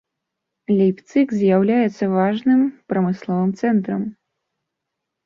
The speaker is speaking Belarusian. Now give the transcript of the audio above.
Лейпцыг з'яўляецца важным прамысловым цэнтрам.